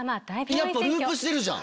やっぱループしてるじゃん！